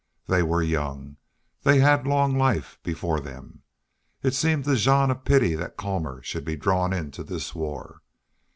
They were young. They had long life before them. It seemed to Jean a pity that Colmor should be drawn into this war.